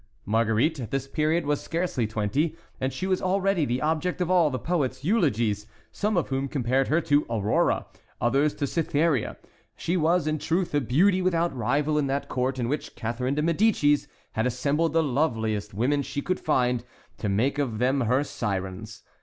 Marguerite at this period was scarcely twenty, and she was already the object of all the poets' eulogies, some of whom compared her to Aurora, others to Cytherea; she was, in truth, a beauty without rival in that court in which Catharine de Médicis had assembled the loveliest women she could find, to make of them her sirens.